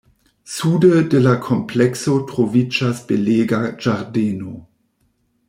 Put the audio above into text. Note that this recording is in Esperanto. Sude de la komplekso troviĝas belega ĝardeno.